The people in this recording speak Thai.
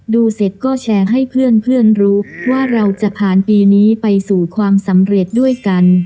ดูเสร็จก็แชร์ให้เพื่อนรู้ว่าเราจะผ่านปีนี้ไปสู่ความสำเร็จด้วยกัน